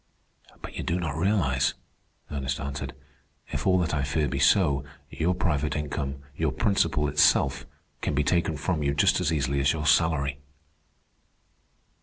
"But you do not realize," Ernest answered. "If all that I fear be so, your private income, your principal itself, can be taken from you just as easily as your salary."